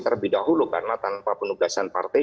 terlebih dahulu karena tanpa penugasan partai